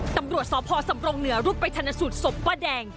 ตำรวจสพสำรงเหนือรุดไปทันสุดสบป้าแดง